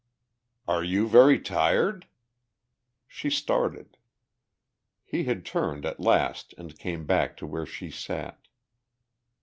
"Are you very tired?" She started. He had turned at last and came back to where she sat.